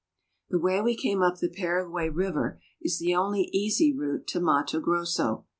The way we came up the Paraguay river is the only easy route to Matto Grosso.